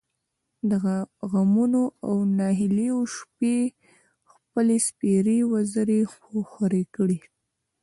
د غمـونـو او نهـيليو شـپې خپـلې سپـېرې وزرې خـورې کـړې.